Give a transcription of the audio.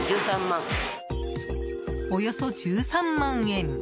およそ１３万円。